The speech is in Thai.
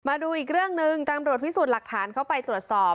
มาดูอีกเรื่องหนึ่งตำรวจพิสูจน์หลักฐานเข้าไปตรวจสอบ